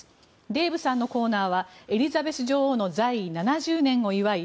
デーブさんのコーナーはエリザベス女王の在位７０年を祝い